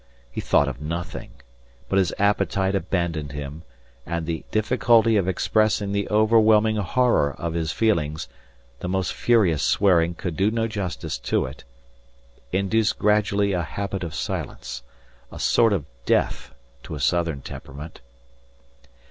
He thought of nothing; but his appetite abandoned him, and the difficulty of expressing the overwhelming horror of his feelings (the most furious swearing could do no justice to it) induced gradually a habit of silence: a sort of death to a Southern temperament.